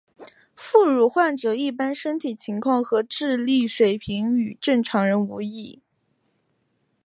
副乳患者一般身体情况和智力水平与正常人无异。